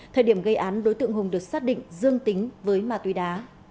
thời điểm gây án đối tượng hùng được xác định dương tính với mà tuy đá